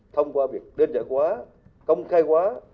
thông qua việc đơn giản quá công khai quá